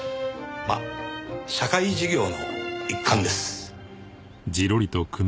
まあ社会事業の一環です。